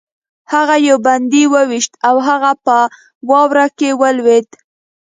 هغه یو بندي وویشت او هغه په واوره کې ولوېد